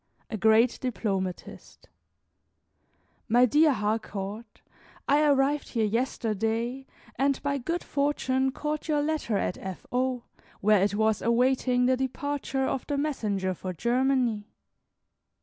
A GREAT DIPLOMATIST My dear Harcourt, I arrived here yesterday, and by good fortune caught your letter at F. O., where it was awaiting the departure of the messenger for Germany.